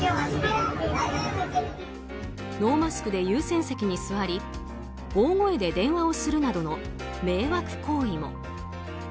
ノーマスクで優先席に座り大声で電話をするなどの迷惑行為も。